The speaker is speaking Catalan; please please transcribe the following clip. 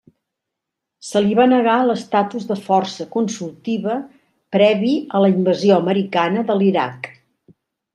Se li va negar l'estatus de força consultiva previ a la invasió americana de l'Iraq.